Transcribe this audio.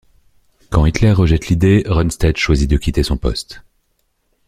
Quand Hitler rejette l'idée, Rundstedt choisit de quitter son poste.